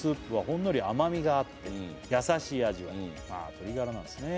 「ほんのり甘みがあって優しい味わい」あ鶏ガラなんですね